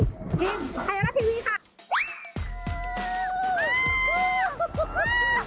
ทีมไทยรัฐทีวีค่ะ